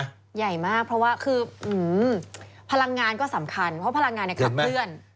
ใหญ่มากเพราะว่าคือพลังงานก็สำคัญเพราะพลังงานเนี่ยขับเคลื่อน